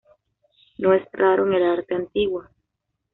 No es raro en el arte antiguo.